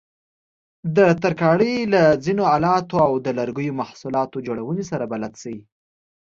د ترکاڼۍ له ځینو آلاتو او د لرګیو محصولاتو جوړونې سره بلد شئ.